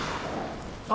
あ！